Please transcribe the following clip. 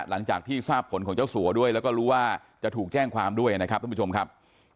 หลังจากที่ทราบผลของเจ้าสัวด้วยแล้วก็รู้ว่าจะถูกแจ้งความด้วยนะครับท่านผู้ชมครับ